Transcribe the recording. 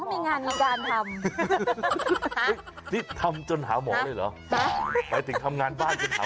คนเขามีงานมีการทำนี่ทำจนหาหมอด้วยเหรอฮะไปถึงทำงานบ้านจนหาหมอด้วย